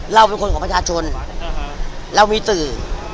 เราเป็นคนของประชาชนเรามีสื่อ